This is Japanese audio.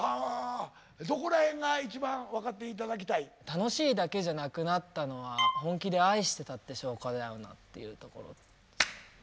「「楽しい」だけじゃなくなったのは本気で愛してたって証拠だよな」っていうところ。